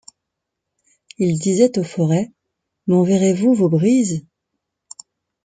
Il disait aux forêts: M’enverrez-vous vos brises?